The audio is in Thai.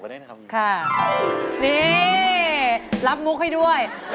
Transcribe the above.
สวัสดีครับ